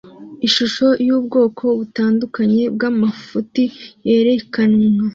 Ishusho yubwoko butandukanye bwamafuti yerekanwe